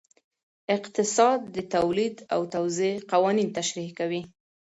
اقتصاد د تولید او توزیع قوانین تشریح کوي.